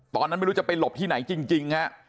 ตอนนั้นไม่รู้จะไปหลบที่ไหนจริงฮะ